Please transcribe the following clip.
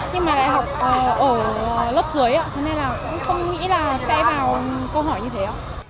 nhưng mà lại học ở lớp dưới nên là cũng không nghĩ là sẽ vào câu hỏi như thế